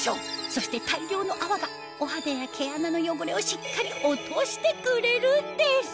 そして大量の泡がお肌や毛穴の汚れをしっかり落としてくれるんです